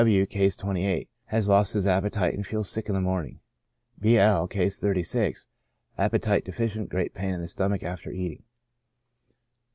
D. W —, (Case 28,) has lost his appetite, and feels sick in the morn ing. B. L —, (Case 36,) appetite deficient, great pain in the stomach after eating.